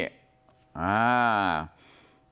คือจากนั้นที่นี่ได้บอกว่าเลยครับ